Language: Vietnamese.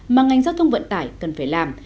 mà ngành giao thông vận tải cần phải làm